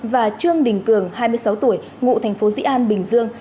và trương đình cường hai mươi sáu tuổi ngụ tp dĩ an bình dương